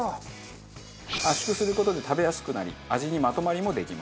圧縮する事で食べやすくなり味にまとまりもできます。